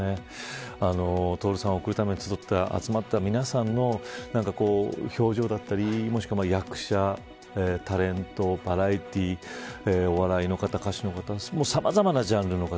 徹さんを送るために集まった皆さんの表情だったり役者、タレント、バラエティーお笑いの方、歌手の方さまざまなジャンルの方。